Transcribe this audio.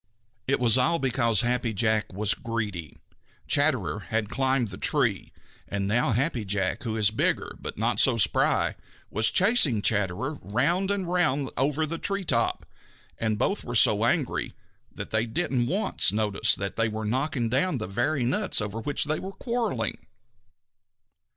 It was all because Happy Jack was greedy. Chatterer had climbed the tree, and now Happy Jack, who is bigger but not so spry, was chasing Chatterer round and round and over the tree top, and both were so angry that they didn't once notice that they were knocking down the very nuts over which they were quarreling.